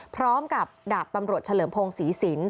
พร้อมกับดาบตำรวจเฉลิมพงศรีศิลป